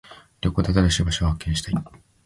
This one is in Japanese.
旅行で新しい場所を発見したい。